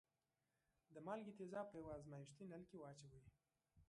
د مالګې تیزاب په یوه ازمیښتي نل کې واچوئ.